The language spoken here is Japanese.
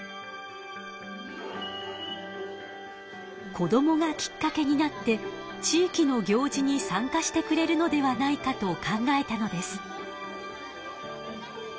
子どもがきっかけになって地域の行事に参加してくれるのではないかと考えたのです。